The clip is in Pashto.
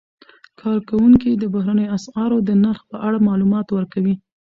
کارکوونکي د بهرنیو اسعارو د نرخ په اړه معلومات ورکوي.